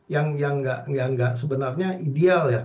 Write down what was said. yang tidak sebenarnya ideal